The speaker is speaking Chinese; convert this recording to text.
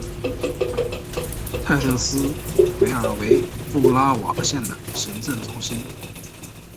泰特斯维尔为布拉瓦县的行政中心。